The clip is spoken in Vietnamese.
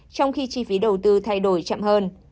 trong khi chi phí đầu tư thay đổi chậm hơn